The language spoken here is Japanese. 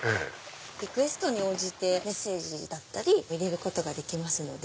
リクエストに応じてメッセージ入れることができますので。